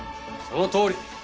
そのとおり！